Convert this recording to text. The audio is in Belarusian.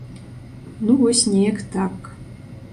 Ну вось неяк так.